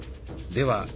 では